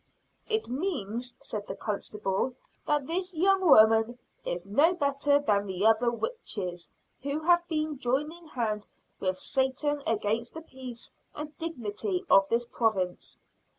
"It means," said the constable, "that this young woman is no better than the other witches, who have been joining hand with Satan against the peace and dignity of this province."